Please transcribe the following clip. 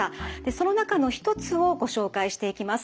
その中の一つをご紹介していきます。